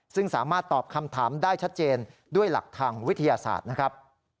ซึ่งสามารถตอบคำถามได้ชัดเจนด้วยหลักทางวิทยาศาสตร์นะครับ